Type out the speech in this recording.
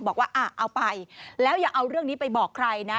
บอกว่าเอาไปแล้วอย่าเอาเรื่องนี้ไปบอกใครนะ